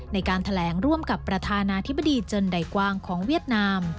ในการแถลงร่วมกับประธานาธิบดีเจินใดกว้างของเวียดนาม